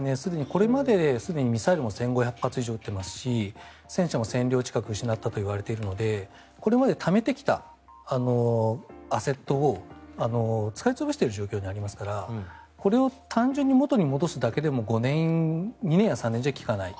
これまですでにミサイルも１５００発以上撃っていますし戦車も１０００両近く失ったといわれているのでこれまでためてきたアセットを使い潰している状況にありますからこれを単純に元に戻すだけでも５年、２年や３年じゃ利かない。